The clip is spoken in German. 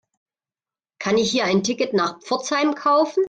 Kann ich hier ein Ticket nach Pforzheim kaufen?